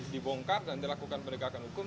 dibongkar dan dilakukan penegakan hukum